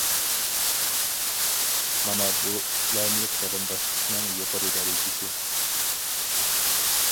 مانا بۇ ئىسلامىي قېرىنداشلىقنىڭ يۇقىرى دەرىجىسى.